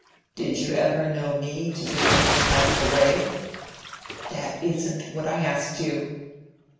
"Did you ever know me to do anything out of the way?" "That isn't what I asked you."